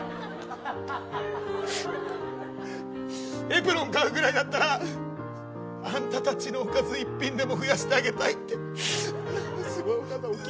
エプロン買うぐらいだったらあんたたちのおかず、一品でも増やしてあげたいって。